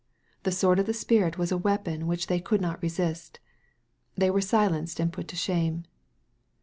The sword of the Spirit was a weapon which they could not resist. They were silenced and put to shame.